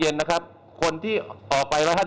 เพราะถือว่าคุณไม่มีความรับผิดชอบต่อสังคม